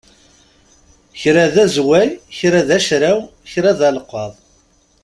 Kra d azway, kra d acraw, kra d alqaḍ.